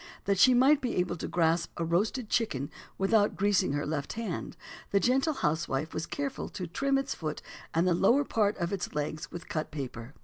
That she might be able to grasp a roasted chicken without greasing her left hand, the gentle housewife was careful to trim its foot and the lower part of its legs with cut paper.